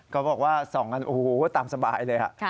ก็บอกว่าส่องกันตามสบายเลย